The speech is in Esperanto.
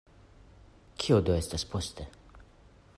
Kio do estas poste?